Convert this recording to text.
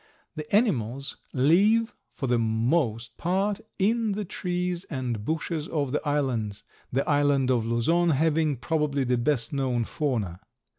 The animals live for the most part in the trees and bushes of the islands, the island of Luzon having, probably, the best known fauna.